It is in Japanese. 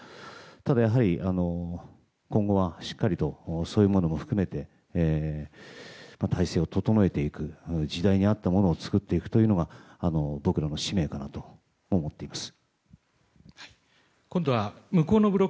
ただ、今後はしっかりとそういうものも含めて体制を整えていく時代に合ったものを作っていくというのが僕らの使命かなと思っています。